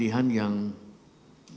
bagaimana anda mengatakan